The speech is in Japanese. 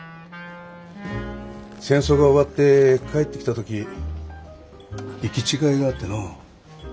戦争が終わって帰ってきた時行き違いがあってのう。